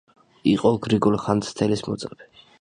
იყო გრიგოლ ხანძთელის მოწაფე.